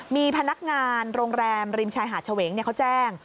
มีพนักงานโรงแรมริมชายหาดเฉวงเขาแจ้ง